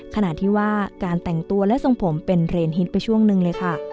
ขณะที่ว่าการแต่งตัวและทรงผมเป็นเรนฮิตไปช่วงหนึ่งเลยค่ะ